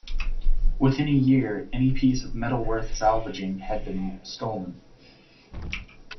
Within a year, any piece of metal worth salvaging had been stolen.